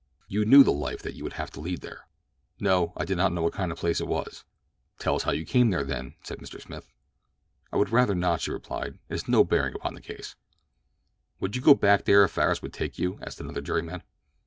"You knew the life that you would have to lead there?" "No; I did not know what kind of place it was." "Tell us how you came there then," said Mr. Smith. "I would rather not," she replied. "It has no bearing upon this case." "Would you go back there if Farris would take you?" asked another jury man.